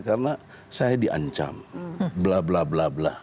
karena saya diancam blah blah blah blah